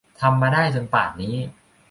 ทำมาได้จนป่านนี้